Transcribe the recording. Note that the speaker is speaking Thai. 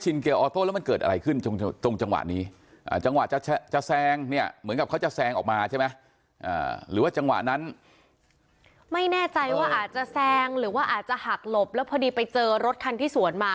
หรือว่าจังหวะนั้นไม่แน่ใจว่าอาจจะแซงหรือว่าอาจจะหักหลบแล้วพอดีไปเจอรถคันที่สวนมา